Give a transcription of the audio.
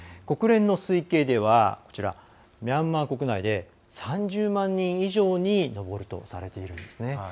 国連の推計ではミャンマー国内で３０万人以上に上るとされているんですね。